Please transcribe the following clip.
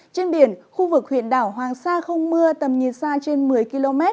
trên biển khu vực huyện đảo hoàng sa không mưa tầm nhìn xa trên một mươi km